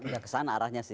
ya kesana arahnya sih